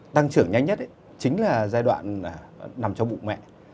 tăng trưởng nhanh nhất chính là giai đoạn nằm trong bụng mẹ